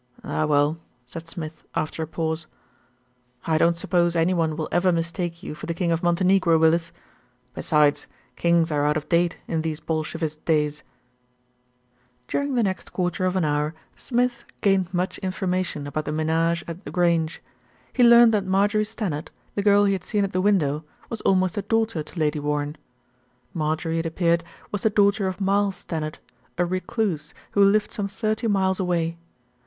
"Ah, well !" said Smith after a pause. "I don't sup pose any one will ever mistake you for the King of Montenegro, Willis. Besides, Kings are out of date in these Bolshevist days." During the next quarter of an hour Smith gained much information about the menage at The Grange. He learned that Marjorie Stannard, the girl he had seen at the window, was almost a daughter to Lady Warren. Marjorie, it appeared, was the daughter of Miles Stannard, a recluse, who lived some thirty miles away.